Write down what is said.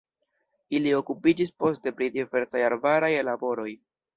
Ili okupiĝis poste pri diversaj arbaraj laboroj.